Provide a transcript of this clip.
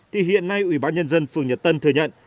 thì hiện nay ủy ban nhân dân phường nhật tân thừa nhận